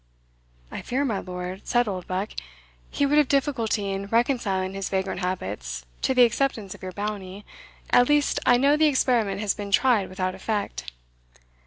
"I fear, my lord," said Oldbuck, "he would have difficulty in reconciling his vagrant habits to the acceptance of your bounty, at least I know the experiment has been tried without effect.